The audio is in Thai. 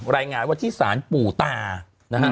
รายงานวัฒนธิสารปู่ตานะฮะ